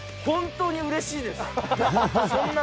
本当にうれしいです。